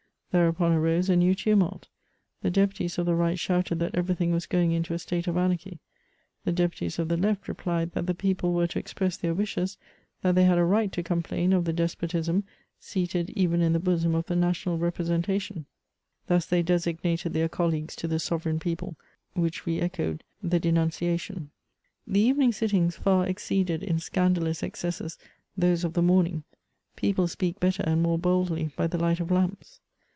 '' Thereupon arose a new tumult ; the deputies of the right shouted that eveiy thing was g^ing into a state of anarchy ; the deputies of the left replied that the people were to express their wishes, that they had a right to complain of despotism, seated even in tiie bosom of the national representation. Thus they 220 MEMOIRS OF designated their colleagues to tbe Bovereign people, which re echoed the denunciation. The evening sittings far exceeded in scandalous excesses those of the morning ; people speak better and more boldly by the light of lamps.